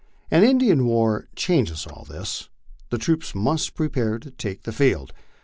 An Indian war changes all this. The troops must prepare to take the field.